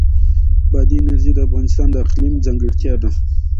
بادي انرژي د افغانستان د اقلیم ځانګړتیا ده.